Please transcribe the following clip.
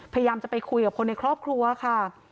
พยายามจะไปคุยกับคนในครอบครัวค่ะ